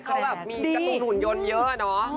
ประเทศเขามีกระตุ้นหุ่นยนต์เยอะเนอะ